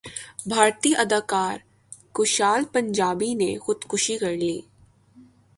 بھارتی اداکار کشال پنجابی نے خودکشی کرلی